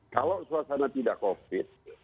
kalau suasana tidak covid